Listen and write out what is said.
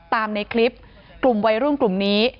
ในคลิปกลุ่มวัยรุ่นกลุ่มนี้